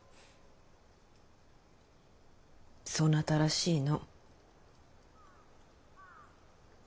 そなたらしいの。